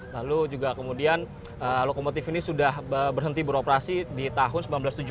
lalu juga kemudian lokomotif ini sudah berhenti beroperasi di tahun seribu sembilan ratus tujuh puluh